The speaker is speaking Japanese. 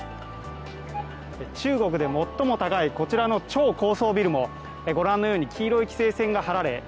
中国で最も高いこちらの超高層ビルもご覧のように黄色い規制線がはられ